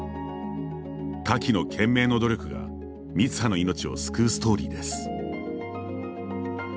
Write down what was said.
瀧の懸命の努力が三葉の命を救うストーリーです。